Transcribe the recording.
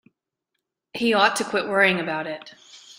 He ought to quit worrying about it.